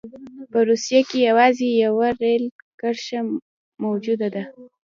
په روسیه کې یوازې یوه رېل کرښه موجوده وه.